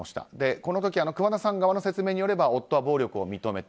この時熊田さん側の説明によれば夫は暴力を認めた。